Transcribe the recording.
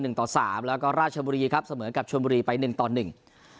ต่อสามแล้วก็ราชบุรีครับเสมอกับชนบุรีไปหนึ่งต่อหนึ่ง